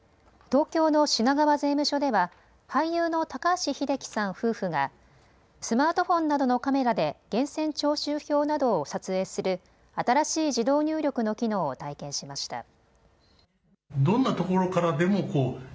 東京の品川税務署では俳優の高橋英樹さん夫婦がスマートフォンなどのカメラで源泉徴収票などを撮影する新しい自動入力の機能を体験しました。